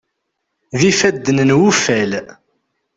D ifadden n wuffal.